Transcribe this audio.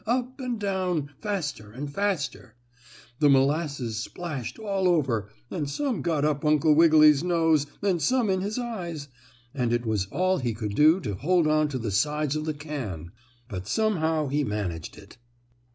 Up and down, faster and faster! The molasses splashed all over and some got up Uncle Wiggily's nose and some in his eyes, and it was all he could do to hold on to the sides of the can. But somehow he managed it.